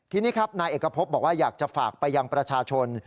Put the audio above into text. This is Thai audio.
ทีนี้ครับนายเอกพบบอกว่าอยากจะฝากไปยังประชาชน